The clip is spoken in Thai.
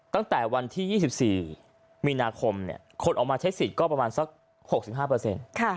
ตั้งแต่วันที่๒๔มีนาคมคนออกมาใช้สิทธิ์ก็ประมาณสัก๖๕